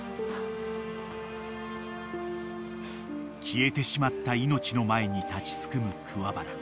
［消えてしまった命の前に立ちすくむ桑原］